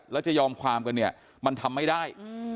แล้วจะยอมความกันเนี่ยมันทำไม่ได้